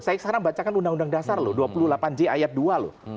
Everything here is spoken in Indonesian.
saya sekarang bacakan undang undang dasar loh dua puluh delapan j ayat dua loh